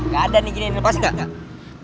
gak ada nih gini lepas gak